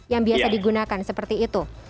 yang biasa digunakan seperti itu